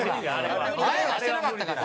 誰も来てなかったから。